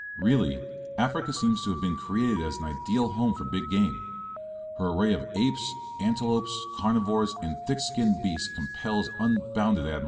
Really, Africa seems to have been created as an ideal home for big game. Her array of apes, antelopes, carnivores, and thick skinned beasts compels unbounded admiration.